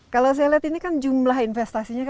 kalau saya lihat ini kan jumlah investasinya